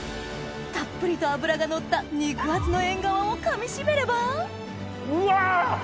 たっぷりと脂がのった肉厚のエンガワをかみしめればうわ！